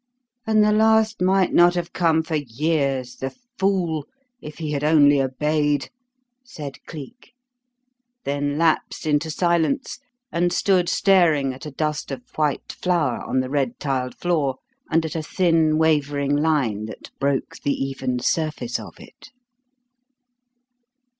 "And the last might not have come for years, the fool, if he had only obeyed," said Cleek; then lapsed into silence and stood staring at a dust of white flour on the red tiled floor and at a thin wavering line that broke the even surface of it.